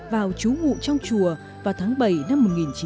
vào chú ngụ trong chùa vào tháng bảy năm một nghìn chín trăm hai mươi tám